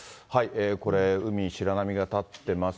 これ海、白波が立っています。